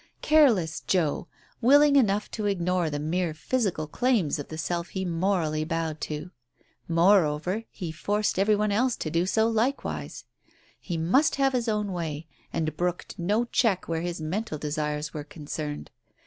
Careless Joe, willing enough to ignore the mere physical claims of the self he morally bowed to ! Moreover, he forced every one else to do so likewise. He must have his own way, and brooked no check where his mental desires were con cerned.